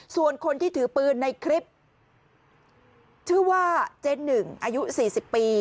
ส่วนคนที่ถือปืนในคลิปชื่อว่าเจ๊หนึ่งอายุ๔๐ปี